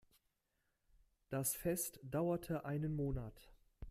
Das Fest dauerte einen Monat.